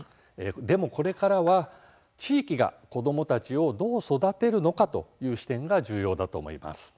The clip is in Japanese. でもこれからは地域が子どもたちをどう育てるのかという視点が重要だと思います。